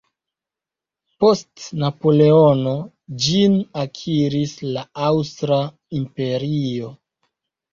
Post Napoleono, ĝin akiris la Aŭstra imperio.